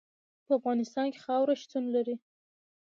په افغانستان کې خاوره شتون لري.